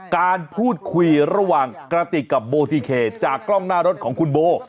การพูดคุยระหว่างกระติกกับโบทิเคจากกล้องหน้ารถของคุณโบ